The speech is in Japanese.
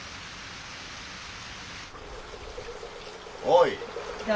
おい。